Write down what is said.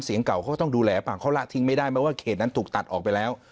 เสียงเก่าต้องดูแลมีเมื่อเขตนั้นถูกตัดออกไปแล้ว